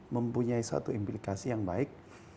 mempunyai suatu implikasi yang baik